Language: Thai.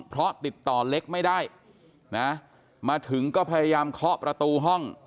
เพราะติดต่อเล็กไม่ได้นะมาถึงก็พยายามเคาะประตูห้อง